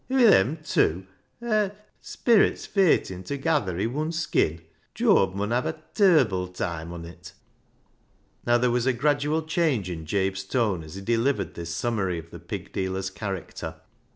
An' wi' them tew — a — a — sperits feightin' togather i' wun skin, Jooab mun hev a ter'ble toime on it." Now there was a gradual change in Jabe's tone as he delivered this summary of the pig dealer's character.